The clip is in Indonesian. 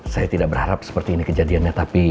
saya tidak berharap seperti ini kejadiannya tapi